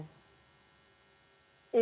ya mungkin karena melihatnya gini